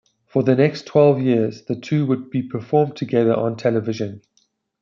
For the next twelve years the two would performed together on television.